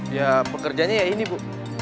ya pekerjanya ya ini bu